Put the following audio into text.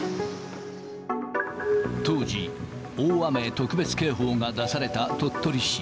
当時、大雨特別警報が出された鳥取市。